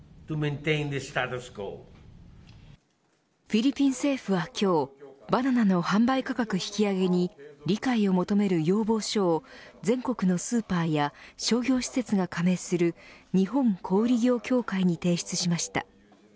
フィリピン政府は今日バナナの販売価格引き上げに理解を求める要望書を全国のスーパーや商業施設が加盟する日本小売業協会に提出しました。